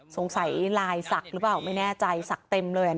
สงสัยลายสักหรือเปล่าไม่แน่ใจสักเต็มเลย